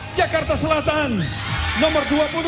jakarta selatan nomor dua puluh dua